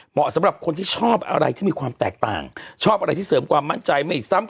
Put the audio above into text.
สำหรับคนที่ชอบอะไรที่มีความแตกต่างชอบอะไรที่เสริมความมั่นใจไม่ซ้ำ